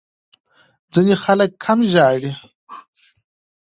ځینې خلک کم ژاړي.